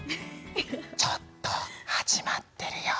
ちょっと始まってるよ。